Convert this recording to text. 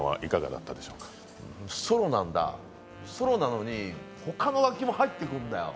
ソロなんだ、ソロなのに他の楽器も入ってくるんだよ。